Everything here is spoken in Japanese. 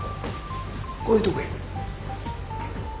こういうとこや。